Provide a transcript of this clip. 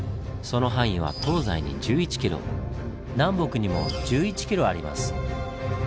その範囲は東西に１１ｋｍ南北にも１１ｋｍあります。